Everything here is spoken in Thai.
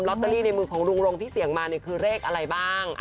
ลอตเตอรี่ในมือของรุงรงที่เสี่ยงมาคือเลขอะไรบ้าง